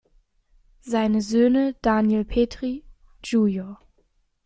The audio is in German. Seine Söhne Daniel Petrie, Jr.